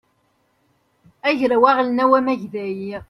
agraw aɣelnaw amagday